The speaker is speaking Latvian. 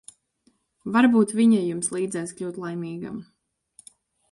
Varbūt viņa jums līdzēs kļūt laimīgam.